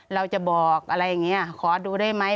เราจะบอกอะไรอย่างนี้ขอดูได้ไหม